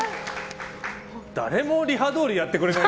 誰もリハどおりやってくれない。